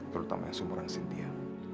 terutama yang seumuran sintia